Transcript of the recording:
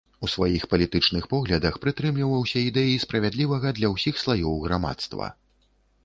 У сваіх палітычных поглядах прытрымліваўся ідэі справядлівага для ўсіх слаёў грамадства.